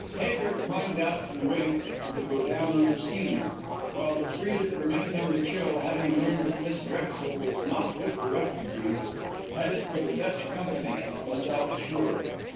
Habert climbed out to wait and to go down on the steamer, while the three that remained on the Chill, having learned that Miss Drexel was not with the refugees, headed for the Dutch Company on the south shore.